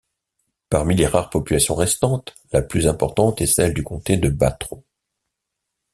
Parmi les rares populations restantes, la plus importante est celle du Comté de Bastrop.